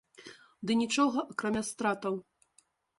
Ды нічога, акрамя стратаў.